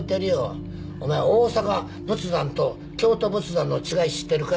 お前大阪仏壇と京都仏壇の違い知ってるか？